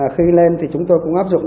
khi lên thì chúng tôi cũng áp dụng